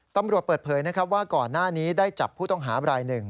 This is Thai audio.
ตำรวจเปิดเผยนะครับว่าก่อนหน้านี้ได้จับผู้ต้องหาบรายหนึ่ง